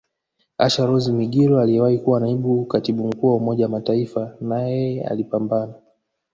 Asha Rose Migiro aliyewahi kuwa Naibu Katibu Mkuu wa Umoja wa Mataifa nayeye alipambana